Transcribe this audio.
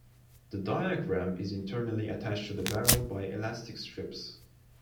The diaphragm is internally attached to the barrel by elastic strips.